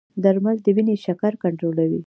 درمل د وینې شکر کنټرولوي.